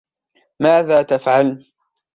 ماذا تفعلن ؟